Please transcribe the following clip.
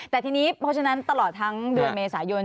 แต่ทีนี้เพราะฉะนั้นตลอดทั้งเดือนเมษายน